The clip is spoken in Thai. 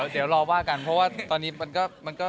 เดี๋ยวรอว่ากันเพราะว่าตอนนี้มันก็